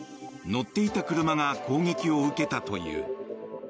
乗っていた車が攻撃を受けたという。